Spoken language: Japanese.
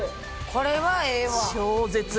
これはええわ。